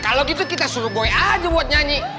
kalau gitu kita suruh boy aja buat nyanyi